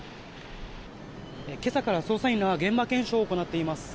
今朝から捜査員らが現場検証を行っています。